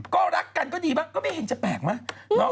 ก็รักกันก็ดีบ้างก็ไม่เห็นจะแปลกไหม